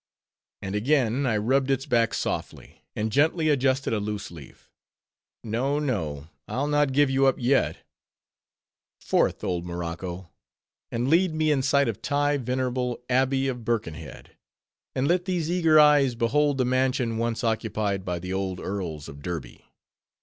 —And again I rubbed its back softly, and gently adjusted a loose leaf: No, no, I'll not give you up yet. Forth, old Morocco! and lead me in sight of the venerable Abbey of Birkenhead; and let these eager eyes behold the mansion once occupied by the old earls of Derby!